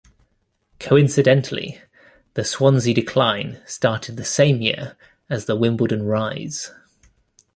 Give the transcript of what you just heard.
Coincidentally, the Swansea decline started the same year as the Wimbledon rise.